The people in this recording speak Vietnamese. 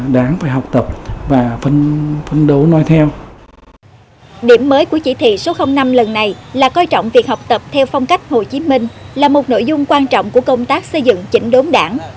điểm mới của chỉ thị số năm lần này là coi trọng việc học tập theo phong cách hồ chí minh là một nội dung quan trọng của công tác xây dựng chỉnh đốn đảng